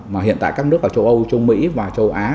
mà hiện tại các nước ở châu âu châu mỹ và châu á